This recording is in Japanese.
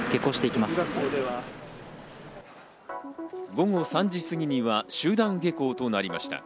午後３時過ぎには集団下校となりました。